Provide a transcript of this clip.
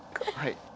はい。